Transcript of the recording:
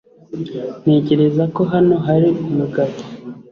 Ntekereza ko hano hari umugabo